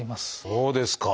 そうですか！